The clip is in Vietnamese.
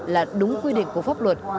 là đúng quy định của pháp luật